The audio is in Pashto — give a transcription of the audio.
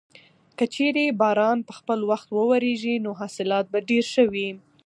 که چېرې باران په خپل وخت وورېږي نو حاصلات به ډېر ښه وي.